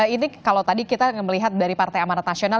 ini kalau tadi kita melihat dari partai amanat nasional